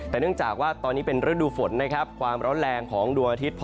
แต่เนื่องจากว่าตอนนี้เป็นฤดูฝนนะครับความร้อนแรงของดวงอาทิตย์